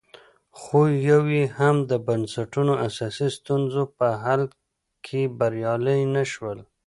خو یو یې هم د بنسټونو اساسي ستونزو په حل کې بریالي نه شول